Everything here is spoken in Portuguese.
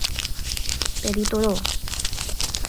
Peritoró